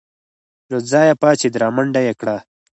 له ځايه پاڅېد رامنډه يې کړه.